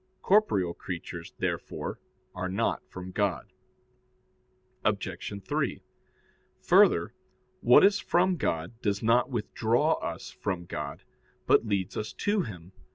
Corporeal creatures, therefore, are not from God. Obj. 3: Further, what is from God does not withdraw us from God, but leads us to Him.